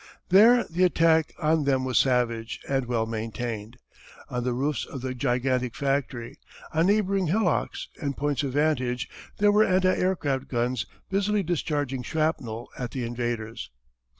There the attack on them was savage and well maintained. On the roofs of the gigantic factory, on neighbouring hillocks and points of vantage there were anti aircraft guns busily discharging shrapnel at the invaders.